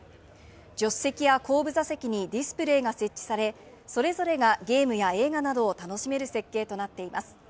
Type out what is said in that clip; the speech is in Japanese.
助手席や後部座席にディスプレイが設置され、それぞれがゲームや映画などを楽しめる設計となっています。